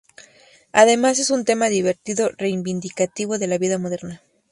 Además, es un tema divertido, reivindicativo de la vida moderna.